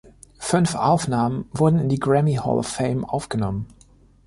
Fünf Aufnahmen wurden in die „Grammy Hall of Fame“ aufgenommen.